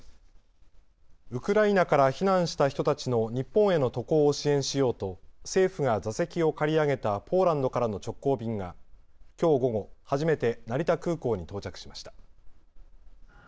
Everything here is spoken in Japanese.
ウクライナから避難した人たちの日本への渡航を支援しようと政府が座席を借り上げたポーランドからの直行便がきょう午後、初めて成田空港に到着しました。